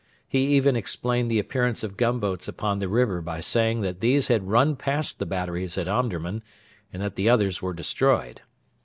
He even explained the appearance of gunboats upon the river by saying that these had run past the batteries at Omdurman and that the others were destroyed.